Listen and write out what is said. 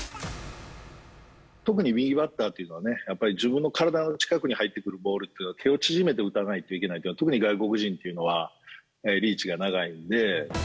特に、右バッターというのは、やっぱり自分の体の近くに入ってくるボールっていうのは手を縮めて打たないといけないから、特に外国人というのは、リーチが長いんで。